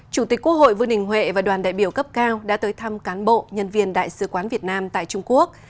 chủ tịch quốc hội vương đình huệ và đoàn đại biểu cấp cao đã tới thăm cán bộ nhân viên đại sứ quán việt nam tại trung quốc